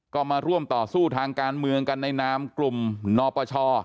ก็มาร่วมต่อสู้ทางการเมืองกันในนามกลุ่มนปช